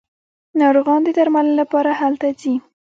ناروغان د درملنې لپاره هلته ځي.